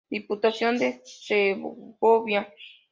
Diputación de Segovia.